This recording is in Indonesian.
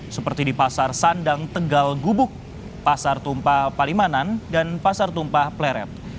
seperti di pasar sandang tegal gubuk pasar tumpah palimanan dan pasar tumpah pleret